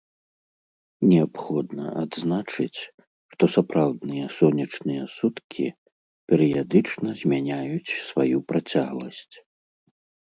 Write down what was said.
Неабходна адзначыць, што сапраўдныя сонечныя суткі перыядычна змяняюць сваю працягласць.